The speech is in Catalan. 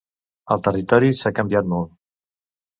El territori s'ha canviat molt.